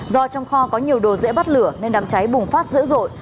do trong kho có nhiều đồ dễ bắt lửa nên đám cháy bùng phát dữ dội